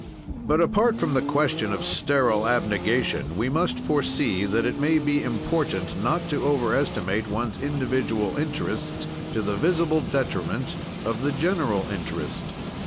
But, apart from the question of a sterile abnegation, we must foresee that it may be important not to overestimate one's individual interests, to the visible detriment of the general interest.